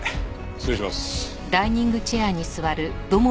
失礼します。